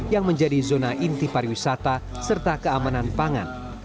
yang menjadi zona inti pariwisata serta keamanan pangan